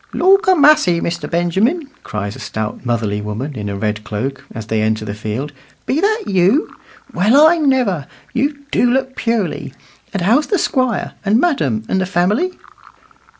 "Lawk a' massey, Mr. Benjamin," cries a stout, motherly woman in a red cloak, as they enter the field, "be that you? Well, I never! You do look purely. And how's the Squire, and madam, and the family?"